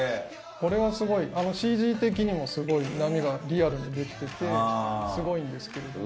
これはスゴいＣＧ的にもスゴい波がリアルに出来ててスゴいんですけれども。